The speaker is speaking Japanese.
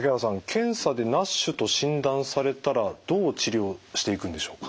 検査でＮＡＳＨと診断されたらどう治療していくんでしょうか。